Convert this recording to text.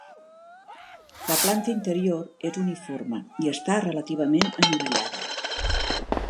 La planta interior és uniforme i està relativament anivellada.